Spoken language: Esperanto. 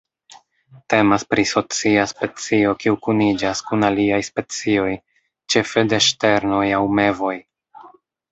Temas pri socia specio kiu kuniĝas kun aliaj specioj ĉefe de ŝternoj aŭ mevoj.